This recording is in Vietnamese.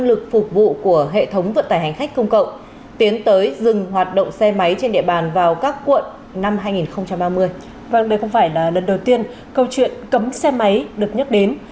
vâng đây không phải là lần đầu tiên câu chuyện cấm xe máy được nhắc đến